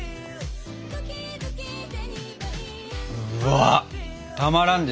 うわったまらんですね。